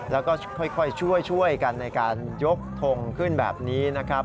แล้วก็ค่อยช่วยกันในการยกทงขึ้นแบบนี้นะครับ